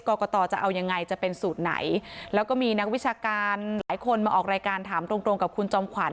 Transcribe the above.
กรกตจะเอายังไงจะเป็นสูตรไหนแล้วก็มีนักวิชาการหลายคนมาออกรายการถามตรงตรงกับคุณจอมขวัญ